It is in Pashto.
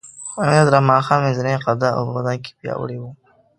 امیر عبدالرحمن خان منځنی قده او په بدن کې پیاوړی وو.